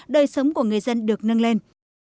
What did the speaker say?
đời sống của người dân được nâng lên